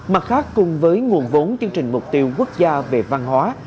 mặt khác cùng với nguồn vốn chương trình mục tiêu quốc gia về văn hóa